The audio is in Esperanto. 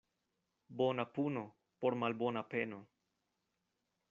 Bona puno por malbona peno.